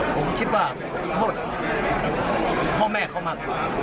ผมคิดว่าขอโทษข้าวแม่เขามาก